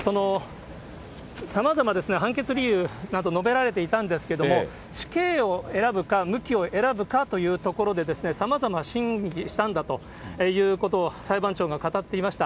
さまざまですね、判決理由など述べられていたんですけれども、死刑を選ぶか、無期を選ぶかというところで、さまざま審議したんだということを裁判長が語っていました。